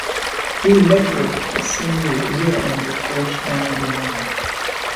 He lettered his senior year under coach Dan Devine.